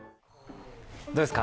どうですか？